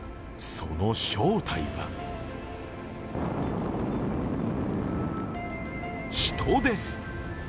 その正体は、人です！